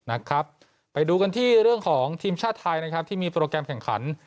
นะครับไปดูกันที่เรื่องของทีมชาติไทยนะครับที่มีโปรแกรมแข่งขัน